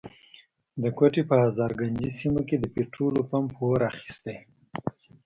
د کوټي په هزارګنجۍ سيمه کي د پټرولو پمپ اور اخستی.